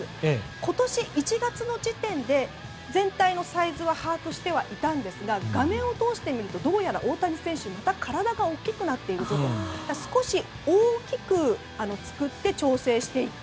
今年１月の時点で全体のサイズは把握していたんですが画面を通して見るとどうやら大谷選手また体が大きくなっていて少し大きく作って調整していった。